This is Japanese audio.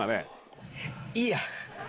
いいや！